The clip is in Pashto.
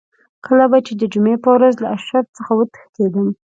کله به چې د جمعې په ورځ له اشر څخه وتښتېدم.